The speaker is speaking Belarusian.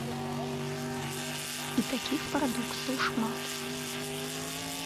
І такіх парадоксаў шмат.